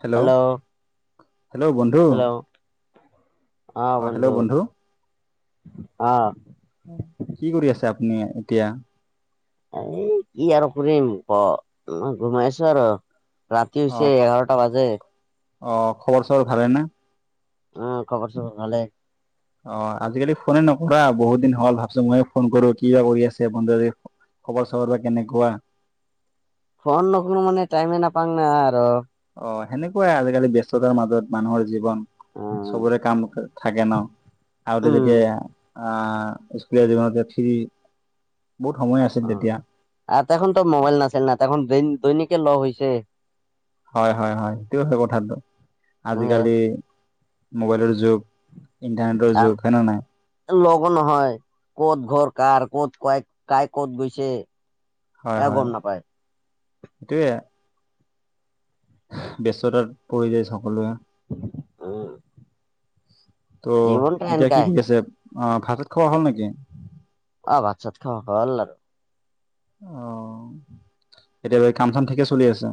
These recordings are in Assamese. হেল্ল' হেল্ল' বন্ধু। হেল্ল' অ হেল্ল' বন্ধু। অ। কি কৰি আছে আপুনি এতিয়া? এ কি আৰু কৰিম ক ঘুমাইছো আৰু। ৰাতি অ হৈছে খ- এঘাৰটা বাজে। অ খবৰ চবৰ ভালে না? অ খবৰ চবৰ ভালে। অ আজিকালি ফোনে নকৰা বহুত দিন হল ভাবছো মই ফোন কৰো কিবা কৰি আছে বন্ধু অজি? খবৰ চবৰ বা কেনেকুৱা? ফোন নকৰোঁ মানে টাইমে নাপাওঁ না আৰু। অ সেনেকুৱাই আজিকালি ব্যস্ততাৰ মাজত মানুহৰ জীৱন অ চবৰে কাম থাকে ন। আগতে উম যেতিয়া আহ স্কুলীয়া জীৱনত ফ্ৰী বহুত সময় আছিল অ তেতিয়া আৰু তেখন মোবাইল নাছিল না, তেখন দৈনিকে লগ হৈছে। হয় হয় হয় সেইটোৱে হয় কথাটো নহলে আজিকালি মোবাইলৰ যুগ। ইণ্টাৰনেটৰ যুগ হয় নে নাই? লগ নহয় ক'ত ঘৰ কাৰ ক'ত ক কাই ক'ত গৈছে। এ গম নাপায়। সেইটোৱেই ব্যস্ততাত পৰি যায় সকলোৱে। উম ত' জীৱনটা এতিয়া কি এনকাই কৰি আছে আ ভাত চাত খোৱা হ'ল নেকি আ ভাত চাত খাৱা হল আৰু অ কেতিয়াবা কাম চাম ঠিকে চলি আছে।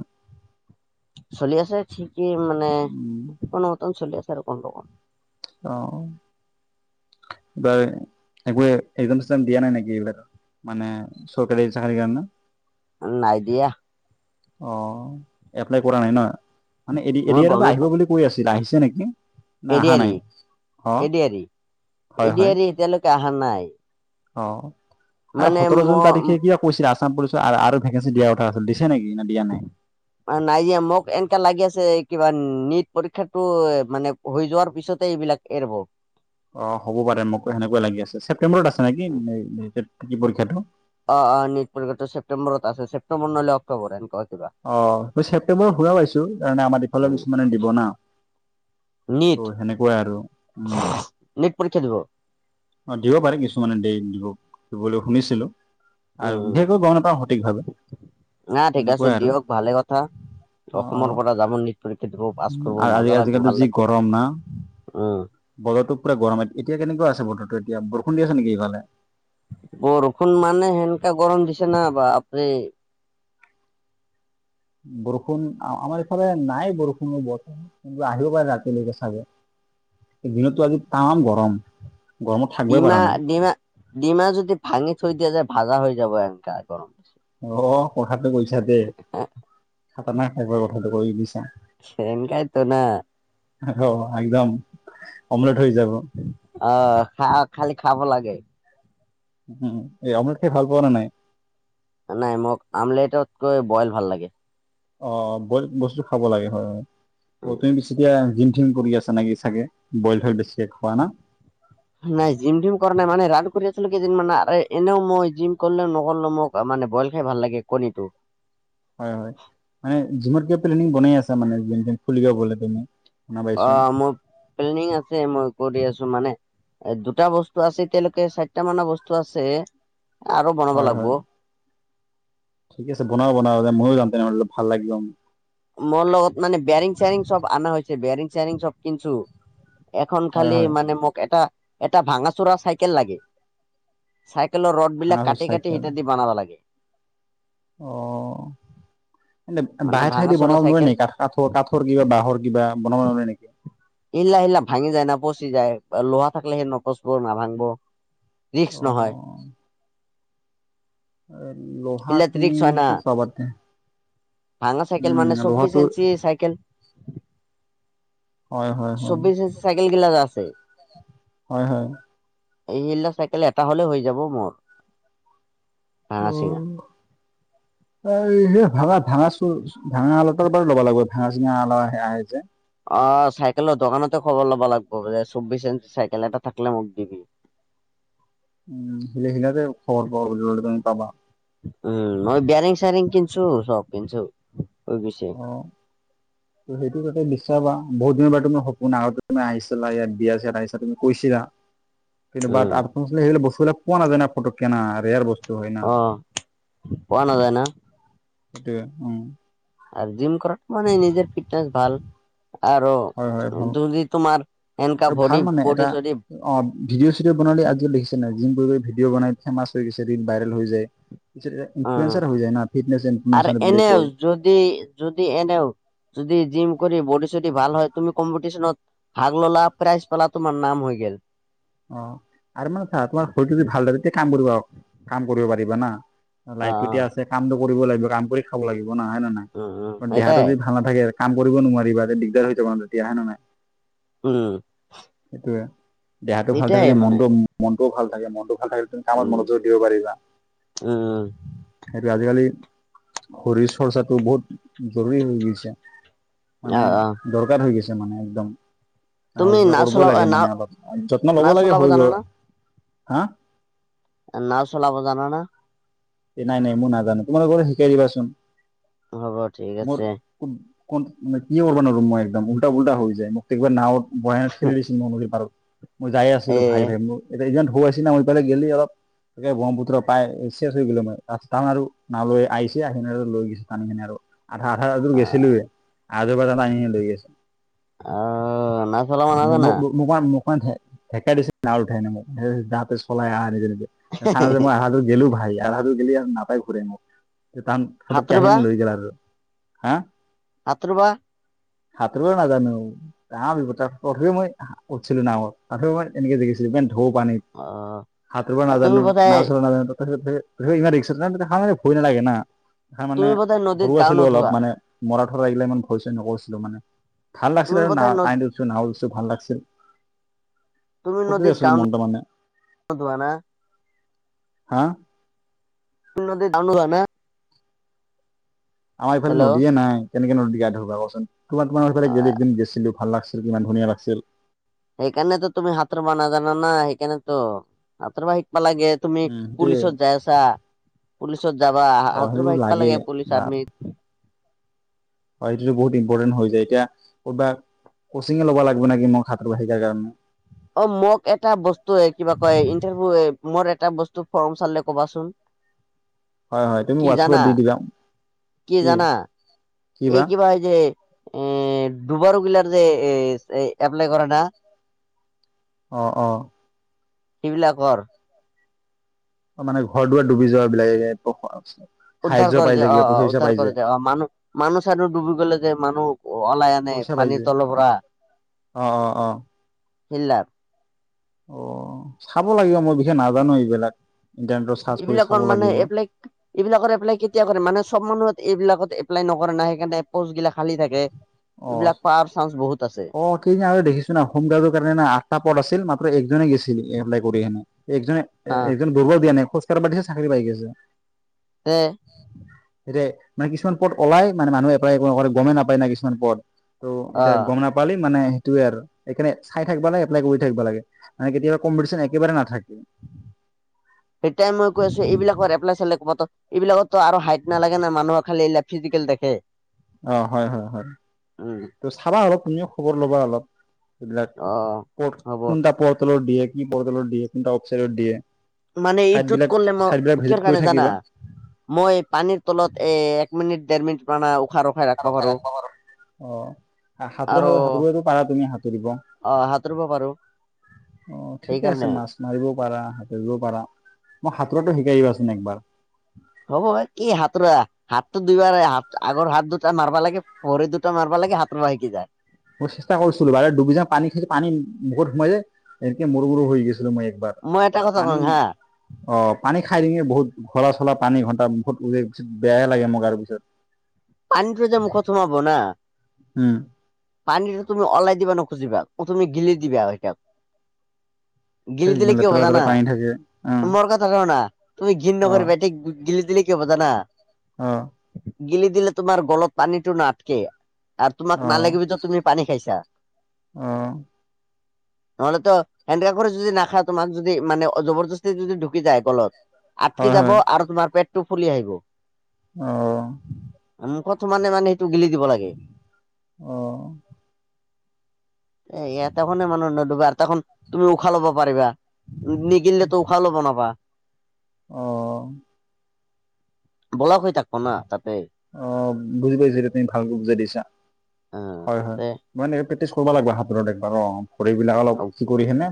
চলি আছে ঠিকেই মানে উম কোনো মতন চলি আছে আৰু কন দুকন অ এইবাৰ একো একজাম চেকজাম দিয়া নাই নেকি এইবিলাক মানে চৰকাৰী চাকৰি কাৰণে নাই দিয়া। অ এপ্লাই কৰা নাই না মানে এ মই এদি আৰু আহিব বুলি কৈ আছিল আহিছে নেকি না এ দি অহা আৰ নাই ই, অ এ দি আৰ ই, হয় এ দি হয় আৰ ই এতিয়ালৈকে অহা নাই অ আৰু মানে সোতৰ জুন মই তাৰিখে কিয় কৈছিলে আাম পুলিচৰ আৰু ভেকেঞ্চি দিয়াৰ কথা আছিল নেকি না দিয়া নাই নাই দিয়া মোক এনেকা লাগি আছে। কিবা নিট পৰীক্ষাটো মানে হৈ যোৱাৰ পিছতে এইবিলাক এৰিব অ হ'ব পাৰে মোকো সেনেকুৱা লাগি আছে ছেপ্তেম্বৰত আছে নেকি পৰীক্ষাটো। অ অ নিট পৰীক্ষাটো ছেপ্তেম্বৰত ছেপ্তেম্বৰত নহলে অক্টোবৰ এনকা অ ম ছেপটেম্বৰত শুনা পাইছো তে আমাৰ দিফালৰ উম কিছুমানে দিব না নিট ত' সেনেকুৱাই আৰু উম নিট পৰীক্ষা দিব অ দিব পাৰে কিছুমানে দে দিব দিবলৈ শুনিছিলো আৰু উম বিশেষ কৈ গম নাপাওঁ সঠিকভাৱে না ঠিক আছে এনেকুৱাই আৰু দিয়ক ভালে কথা। অ অ অসমৰ পৰা যাম নীট পৰীক্ষা পাছ কৰিব আৰু আজি মজা লাগিব আজিকালিতো ভাল যি লাগিব গৰম না উম বতৰটো পূৰা গৰমে এতিয়া কেনেকুৱা আছে বতৰটো এতিয়া বৰষুণ দি আছে নেকি ইফালে বৰষুণ মানে সেনেকা গৰম দিছে না বাপৰে। বৰষুণ আমাৰ ইফালে নাই বৰষুণো বৰ্তমান। কিন্তু আহিব পাৰে ৰাতিলৈকে চাগে। দিনতটো আজি তামাম গৰম। গৰমত থাকবই পৰা নাই ডিমা-ডিমা-ডিমা যদি ভাঙি থৈ দিয়া যায়, ভাজা হৈ যাব এনকা গৰম। অ, কথাটো কৈছা দেই। খাতাৰনাক টাইপৰ কথাটো কৈ দিছা। সেনেকাই তো না। অ, একদম অমলত হৈ যাব। আহ খা খালি খাব লাগে। উম, অমলেট খাই ভাল পোৱা ন নাই? নাই মোক আমলেটতকৈ বইল ভাল লাগে। অ, বইল বস্তু খাব লাগে হয়। অ উম, কৰি আছে নেকি চাগে বইল হৈ বেছি নাই জিম টিম কৰা নাই মানে ৰা [unintelligible] কৰি আছিলো কেইদিনমানানে এনেও মই জিম কৰিলেও নকৰলে মোক মানে বইল খাই ভাল লাগে কণীটো। হয়, হয় মানে জিমত কিব প্লেনিং বনাই আছা মানে যে যেন খুলি গ গলেনে। অ, মোৰ প্লেনিং আছে মই কৰি আছো মানে। এ, দুটা বস্তু আছে এতিয়ালৈকে চাৰিটা মানৰ বস্তু আছে। আৰু বনাব হয় লাগিব। হয়। ঠিক আছে বনাও বনাও মইও যাম তেনেহলে ভাল লাগিব। মোৰ লগত মানে বেৰিং-চেৰিং চব অনা হৈছে বেয়াৰং চেয়াৰং চব কিনছো। এখন হয় থালি হয়। মানে মোক এটা এটা ভাঙাচোৰা চাইকেল লাগে। ৰদবিলাক ভাঙাচোৰা কাটি কাটি চাইকেল সেইত দি বনাব লাগে। অ এ মানে বাহে ঠাই ভাঙা দি চৰা বনাব নোৱাৰে চাইকেল নি কাঠ কাঠৰ কাঠৰ কিবা বাঁহৰ কিবা কিবা বনাব নে নেকি? ইলা ইলা ভাঙি যায় না। পচি যায়। লোহা থাকলে নপচব, নাভাংব। ৰিক্স অ। নহয় লোহা হিলাত তুমি ৰিক্স হয় না ক'ত পাবা তে? ভাঙা চাইকেল উম, মানে চব্বিছ লোহাটো ইঞ্চি চাইকেল। হয় হয় হয়। চৌবিছে চাইকেল গিলা যে আছে। হয় হয়। এইলা চাইকেল এটা হলে হৈ যাব মোৰ। অ, ভাঙা চিঙা [unintelligible] ভাগা। ভাঙা চ ভাঙা [unintelligible] লব লাগব, ভাঙা ছিঙা আলা আহে যে। অ, চাইকেলৰ দোকানতে খবৰ ল'বা লাগব যে চৌবিছ ইঞ্চৰ চাইকেল এটা থাকলে মোক দিবি। উম, সিলে সিলাতে খবৰ পোৱা বুলি কলে তুমি পাবা। উম, মই বেৰিং চাৰিং কিনছো, চব কিনছো [unintelligible] অ'। ত, সেইটো কতে বিশচ্বাৰাবা বহুত দিনৰ বাৰ তুমাৰ সপোন আগ তুমি আহিছিলা ইয়াত বি আছা ইয়াত আহিছা তুমি কৈছিলা। কিন্তু বাট উম আ সিল বস্তুবিলাক পোৱা নাাজায় ফটো কে না ৰেয়াৰ বস্তু। হয় না আহ, পোৱা নাযায় না? সেইটোৱে, উম। আৰু জিম কৰাটো মানে নিজৰ ফিটনেছ ভাল। আৰু হয় হয় ভাল যদি তোমাৰ এনেকা আৰু ভাল ভৰি বডী ছডি আজি দেখিছে নাই যোনবোৰে ভিডিঅ বনাই ফেমাচ হৈ গৈছে, দিন ভাইৰেল হৈ যায়। অ ইনফুলোয়ানচাৰ হৈ যায় না। ফিটনেছ আৰু ইনফুলোয়ানচাৰ বুলি এনেও কয়। যদি যদি এনেও যদি জিম কৰি বডী চদি ভাল হয়। তুমি কম্পিটিচনত ভাগ ললা, প্ৰাইজ পালা তোমাৰ নাম গেল। অ, আৰু মানে চোৱা তোমাৰ শৰীৰটো যদি ভালদৰে তেতিয়া কাম কৰিব কাম কৰিব পাৰিবা না। অ লাইফটো অ এতিয়া আছে কামটো কৰিব লাগিব। কাম কৰি খাব লাগিব নহ। হয় নে উম উম নহয়? দেহাটো এটাই যদি ভাল নাথাকে কাম কৰিব নোৱাৰিবা এ দিগদাৰ হৈ যাব তেতিয়া, হয় নে নাই? উম। সেইটোয়ে দেহটো ভাল এটাই থাকিলে মানে মনটো মনটোও ভাল থাকে মনটো। ভাল থাকিল তুমি কামত উম মনোযোগ দিব পাৰিবা। উম সেইটো আজিকালি শৰীৰ চৰ্চাটো বহুত জৰুৰী হৈ গৈছে। অ মানে অ দৰকাৰ হৈ গৈছে মানে একদম। তুমি আৰু ক নাও কৰিবই চলাব লাগে নাও মানে অলপ যত্ন ল'ব নাও লাগে চলাব জানা শৰীৰৰ হা। ন চলাব জান না? এ নাই, নাই মই নাজানো। তোমালোকৰ শিকাই দিবাচোন। হ'ব ঠিক আছে। কোন মানে কি কৰবা নৰো মই। একদম উল্টা পুল্টা হৈ যায়। মোক একবাৰে নাওত বহাই ঠেলি দিছিল মোক নদী পাৰত। মই যাই আছলো। এ ভাই ভাই মোৰ একদম সৰু আছিলো মইফালেই গেলি অলপ তাকে ব্ৰহ্মপুত্ৰ পাই [unintelligible] [unintelligible] আৰু লৈ গৈছে টানি কিনি আৰু। আধা আধা এযোৰ গেছিলো এ। [unintelligible] টানি কিনি লৈ গৈছে। অ নাও চলাব নাজানা [unintelligible] মানঢেককা দিছে না উঠাই ন মোক দাতে চলাই অহা নি [unintelligible] চান যে মই আধাটো গেলো ভাই আধাটো গেলি আৰু নাপাই ঘুৰাই মোক। যে তাহান ফটোককে আহি সাঁতুৰিবা লৈ গল আৰু হা [unintelligible] আত্ৰবা সাঁতৰিব নাজনো। [unintelligible] মই উঠছিলো নাৱত, ওঠোনি মই এনেকে [unintelligible] ঢৌ পানীত। অ সাতোৰিব তুমি নাযানো, বোধয় নাও চলাব নাযানো, তাৰপাছতে ইমান ৰিক্সা [unintelligible] মানে ভয় নালাগে না। সা মানে তুমি বোধয় নদীত সৰু গা আছিলো অলপ নোধোৱা মানে। মৰাঠৰা এইগিলা ইমান ভয় চয় নকৰছিলো মানে। ভাল লাগছিলে তুমি আৰু বোধয় ন না [unintelligible] ভাল লাগছিল। তুমি খুকেই নদীত গা আছিল মনটো মানে। নোধোৱা না হা? [unintelligible] আমাৰ এইফালে হেল্ল' নদীয়ে নাই। কেনেকে নদী গা ধুবা কচোন, তোমাৰ তোমাৰ অ সফালে একদিন গেছিলো ভাল লাগছিল। কিমান ধুনীয়া লাগিছিল। সেইকাৰণেটো তুমি সাতোৰিব নাজানা না সেইকাৰণেটো সাতোৰিব। লাগে তুমি উম সেইটোয়ে পুলিচত যাই আছা পুলিচ। ছত যাবা অ হাতৰ সেইটো বাইক পাল লাগে পুলিচ আৰ্মিত। হয় সেটোতো বহুত ইম্পৰ্টেণ্ট হৈ যায় এতিয়া কৰ'বা। কচিঙে ল'ব লাগিব নেকি মোক সাঁতোৰিবা হিকাৰ কাৰণে। অ মোক এটা বস্তু কিবা কয় ইন্টাৰভিউ মোৰ এটা বস্তু। ত ফৰম চালিল ক'বাচোন। হয় হয় তুমি কি জানা হোৱাটছএপত দি দিবা। কি জানা কি এই বা কিবা যে। এ দুবাৰু গিলাৰ যে এপ্লাই কৰে ন। অহ অহ। সেইবিলাকৰ। মানে ঘৰ দুৱাৰ ডুবি যোৱা বিলাকে। উদ্ধাৰ সাহায্য কৰে পাই যায় যে অ কিবা অ পইচা চইচা উদ্ধাৰ পাই যে কৰে যায় অ মানুহ মানুহ চানো ডুবি গ'লে যে মানুহ ওলাই আনে। পইচা পাই পানীৰ যে তলৰ অ পৰা। অ অ অ। খিলা। বিষে নাজানো এইবিলাক। ইণ্টাৰনেটত চাৰ্চ কৰি চাব এইবিলাকৰ মানে লাগিব এপ্লাই এইবিলাকৰ এপ্লাই কেতিয়া কৰে মানে চব মানুহে। এইবিলাকত এপ্লাই নকৰে নাই সেইকাৰণে পষ্টবিলাক খালি থাকে অ এইবিলাক পোৱাৰ চানস। অ কেইদ আৰু দেখিছ হোম গাৰ্ডৰ কাৰণে আঠটা পদ আছিল মাত্ৰ একজনে গৈছিল এপ্লাই কৰি সেনে। একজনে হা একজন বুৰ্গও দিয়া নাই খোজকাঢ় পাতিছে চাকৰি পাই গৈছে। হে। এতিয়া মানে কিছুমান পথ ওলাই মানে মানুহ এপ্লাই গমেই নাপায় না কিছুমান পথ ত' অ এতিয়া গম নাপালি মানে? সেইটোৱে আৰু সেইকাৰণে চাই থাকিব লাগে এপ্লাই কৰি থাকিব লাগে মানে কেতিয়াবা কম্পিটিশন একেবাৰে নাথাকে। সেইয়াই মই কৈ আছো এইবিলাকৰ এপ্লাই চাল প এইবিলাকতো আৰু হাইট নালাগে না মানুহৰ খালি এই ফিজিকেল দেখে। অ হয় হয় হয় উম ত, চাবা অলপ তুমিও খবৰ ল'বা অলপ। সবিলাক অ হ'ব কোনটা পৰ্টলত দিয়ে, কি পৰ্টল দিয়ে কোনটা অফচাইডত দিয়ে। মানে চাইট ইটোত বিলাক কৰিলে চাইট বিলাক মই ভিজিট কিৰ কৰি কাৰণে জানা। থাকিবা মই পানীৰ তলত এ এক মিনিট দেৰ মিনিট মানে -। সাঁতোৰ সাঁতোৰটো পাৰা তুমি সাঁতুৰিব -। সাঁতুব পাৰো। অ ঠিকে আছে সেইকাৰণে মাছ মাৰিবও পাৰা, সাতুৰিবও পাৰা,। মই সাঁতোৰাটো শিকাইদিবাচোন একবাৰ। হ'ব, কি হাতৰ হাতটো দুইবাৰাত আগৰ হাত দুটা মাৰবা লাগে ভ দুটা মাৰবা -। লাগে সাতোৰা আহকি যায়‌। মই চেষ্টা কৰিছিলো বাৰে দুবিজা পানী খাই পানী মুখত সোমাই যায়, এনেকে মৰু গৰু হৈ গৈছিলো মই। এইবাৰ মই এটা কথা কওঁ পানী হা অ পানী খাই দিঙে বহুত ঘলা চলা পানী ঘণ্টা। বত উ পিছত বেয়াই লাগে মোক আৰু পিছত। আনটো যে মুখত সোমাব না। উম পানীটো তুমি ওলাই দিবা নুখুজিবা, তুমি গিলি দিবা সটাক। গিলি ঠিক দিলে কি হ'ব লেতেৰা লেতেৰা জানা, পানী থাকে অ মোৰ কথা কনা -। তুমি ঘিন অ নকৰিবা, বেটিক গিলি দিলে কি হ'ব জানা -। অ গিলি দিলে তোমাৰ গলত পানীটো ন নাথকে আৰু তোমাক নালাগিবিত তুমি পানী খাইছা। অহ। নহ'লে তো হেণ্ ক্ৰাক যদি নাখা তোমাক যদি মানে জবৰদস্তি যদি ঢুকি যায় কলত -। আটকি হয় যাব আৰু তোমাৰ পেটটো ফুলি আহিব। অহ। মুখত মানে মানে সেইটো গিলি দিব লাগে। অ এ এতেখনে মানুহ নদবা আৰু তোন তুমি উখাহ ল'ব পাৰিবা। নিগিলিলে ত ওশাও লব নাপা। অ বলা হৈ থাকিব না তাতে। অ বুজি পাইছো এতিয়া তুমি ভালকৈ বুজাই দিছা অ হয় হয়। তে মই প্ৰেক্টিচ কৰিব লাগব হাতত একবাৰ অ। খৰিবিলাক অলপ কি কৰি সেনে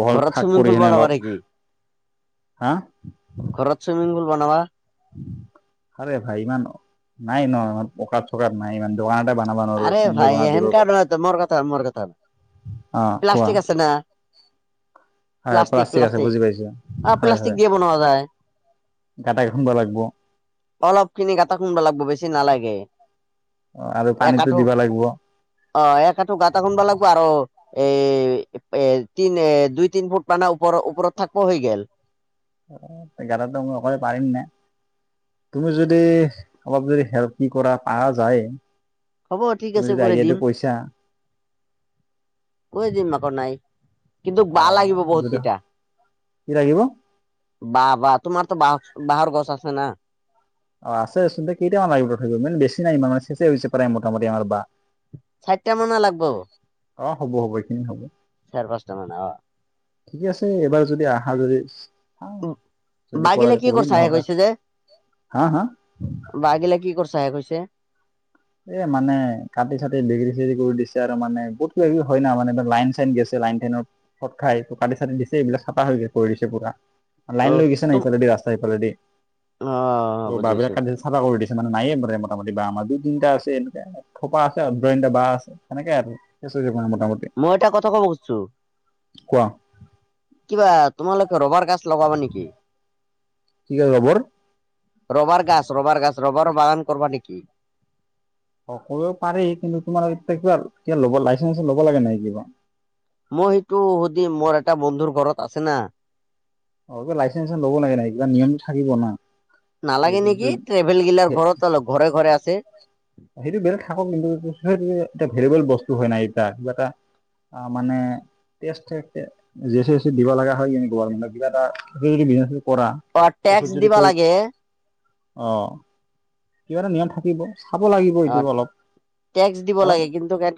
বহল ঘৰত শাক চুইমিং কৰি পুল সেনে বনাবা অলপ- নেকি হা? ঘৰত চুইমিং পুল বনাবা, আৰে ভাই ইমান নাই ন, আৰ পক চক নাই ইমান দোকান - আৰে ভাই এন কাৰ মোৰ কথা মোৰ কথা অ হয়। কোৱা প্লাষ্টিক আছে না। হয় প্লাাষ্টিক আছে প্লাষ্টিক। বুজি পাইছো আহ হয় প্লাষ্টিক হয় দিয়ে বনোৱা যায়। গাটা খুন্দ লাগিব অলপ কিনি গাটা শুনব লাগিব বেছি নালাগে। আৰু এক পানীতো আঠো দিবা লাগিব অ এক আঠো গাটা শুনব লাগিব আৰু এ এ তিনি এ দুই তিন ফুট মানে ওপৰ ওপৰত থাকিব হৈ গল। অ গটো মই অকলে পাৰিম নে তুমি যদি অলপ যদি - কি কৰা পৰা যায় হ'ব তুমি যদি আইডিয়াটো কৈছা। কৈ দিম আকৌ নাই, কিন্তু অ বা লাগিব বহুত যদি কেইটা। কি লাগিব বা বা তোমাৰতো বা বাঁহৰ গছ আছে ন। অ আছে চচোন কেইটামানাৰ লাগিব থাকিব, ইমান বেছি নাই মানে চেছে হৈছে পাৰে মোটামুটি বাহ চাৰিটা মান লাগিব। আহ হ'ব হ'ব এইখিনি হ'ব। পাঁচটা মানা অ ঠিকে আছে এবাৰ যদি আহা যদি চাওঁ বা যদি কৰা বাগিলে কি কৰিম কৰিছা হে নহ'লে কৈছে যে হা হা বাাগিলা কি কৰিছ হে কৈছে এ মানে কাটি চাটি বিকৰি চিগৰি কৰি দিছে আৰু মানে বহুত কিবা হয় ন মানে লাইন চাইন গেছে লাইন টেনত ফট খাই কাটি চাটি দিছে এইবিলাক চাফা হৈ গৈ পৰি দিছে পুৰা অ লাইন লৈ গৈছেনি তুম ইফালেদি ৰাস্তা ইফালেদি অ ত' বা বুজি বিলাক পাইছো ক চাফা কৰি দিছে মানে নায়ে মানে মোটামুটি বা আমাৰ তিনিটা আছে এনেক থোপা আছে তিনিটা বাহ আছে সেনেকে আৰু [unintelligible] মই এটা কথা কব খুজছো কোৱা কিবা তোমালোক ৰবাৰ গাছ লগাবা নেকি? কি ক লবৰ ৰবাৰ গাছ ৰবাৰ গাছ ৰবাৰ বাগান কৰবা নেকি? অ কৰিব পাৰি কিন্তু তোমাৰ এতিয়া কিবা এ লব লাইচেঞ্চ লব লাগে নাই কিবা মই সেইটো সুধিম মোৰ এটা বন্ধুৰ ঘৰত আছে না অ লাইচেঞ্চ চ ল'ব লাগে নাই কিবা নিয়ম থাকিব না নালাগে এইটো নেকি এইটো- ট্ৰেভেল গিলাৰ ঘৰত অলপ ঘৰে ঘৰে আছে। সেইটো বেলেগ থাকক কিন্তু সেই এ ভলেবল বস্তু হয় না এটা অ মানে তেজ জেচি এচি দিব লগা হয় কি গভাৰ- কিবা এটা যদি বিনে কৰা অ ঔষধ টেক্স যদি দিবা কৰি লাগে অহ কিবা এটা নিয়ম থাকিব চাব লাগিব অ এইটো অলপ টেক্স দিব কাৰণ লাগে কিন্তু